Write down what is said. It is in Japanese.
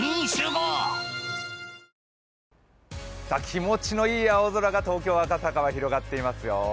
気持ちのいい青空が東京・赤坂は広がっていますよ。